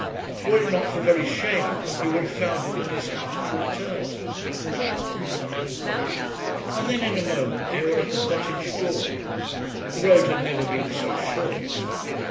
Were it not for very shame, he would have found it in his heart to return to London. And then in a moment they were at the Cottage door. The road had never been so short.